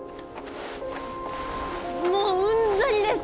もううんざりです